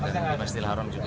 dan di basti lahorong juga